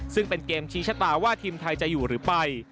ซึ่งเป็นเกมชี้ชะตาว่าทีมไทยจะอยู่หรือไป